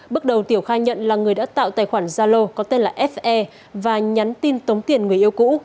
bước đầu tiểu khai nhận là người đã tạo tài khoản zalo có tên là fe và nhắn tin tống tiền người yêu cũ